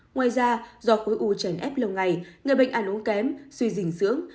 ngoài ra do khối u tràn ép lâu ngày người bệnh ăn uống kém suy dình sướng